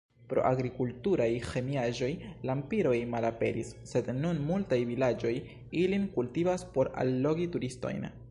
Pro agrokulturaj ĥemiaĵoj lampiroj malaperis, sed nun multaj vilaĝoj ilin kultivas por allogi turistojn.